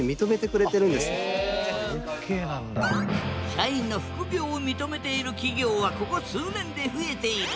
社員の副業を認めている企業はここ数年で増えている。